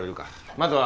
まずは。